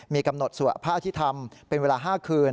มีกำหนดสวดพระอภิษฐรรมเป็นเวลา๕คืน